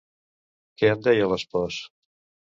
Què en deia l'espòs?